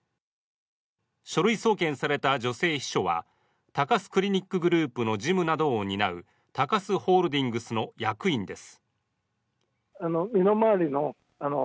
書類送検された女性秘書は高須クリニックグループの事務などを担う高須ホールディングスの役員です。